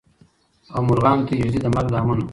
او مرغانو ته ایږدي د مرګ دامونه